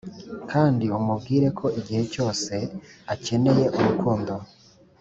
kandi umubwire ko igihe cyose akeneye urukundo